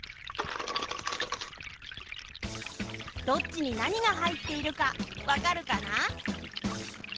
どっちになにがはいっているかわかるかな？